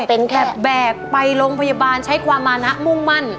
เป็นแค่แบกไปโรงพยาบาลใช้ความมานะมุ่งมั่น